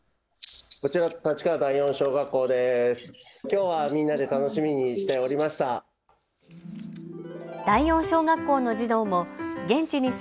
こちら、立川第四小学校です。